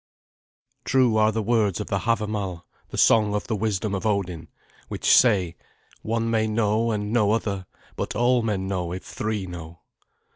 True are the words of the Havamal, the song of the wisdom of Odin, which say, "One may know and no other, but all men know if three know."